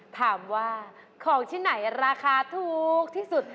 ถามว่าของที่ไหนราคาถูกที่สุด